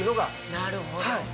なるほど。